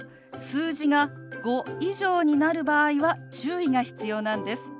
数字が５以上になる場合は注意が必要なんです。